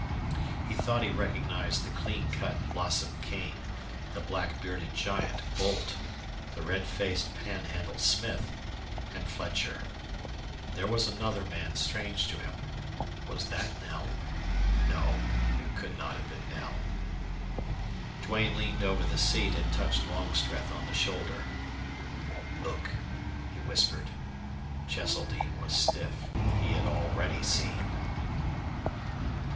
He thought he recognized the clean cut Blossom Kane, the black bearded giant Boldt, the red faced Panhandle Smith, and Fletcher. There was another man strange to him. Was that Knell? No! it could not have been Knell. Duane leaned over the seat and touched Longstreth on the shoulder. "Look!" he whispered. Cheseldine was stiff. He had already seen.